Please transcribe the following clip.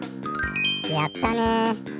やったね。